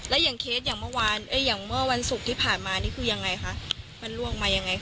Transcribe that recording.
แล้วอย่างเคสอย่างเมื่อวันศุกร์ที่ผ่านมานี่คือยังไงคะมันล่วงมายังไง